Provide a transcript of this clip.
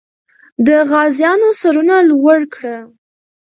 د غازیانو سرونه لوړ کړه.